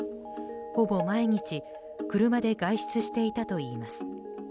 ほぼ毎日車で外出していたといいます。